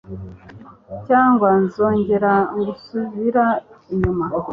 cyangwa nzongera gusubira inyuma